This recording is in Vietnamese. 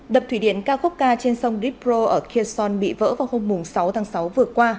đập thủy điện kakovka trên sông dnipro ở kherson bị vỡ vào hôm sáu tháng sáu vừa qua